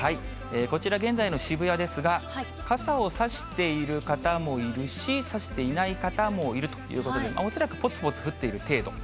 こちら現在の渋谷ですが、傘を差している方もいるし、差していない方もいるということで、恐らくぽつぽつ降っている程度。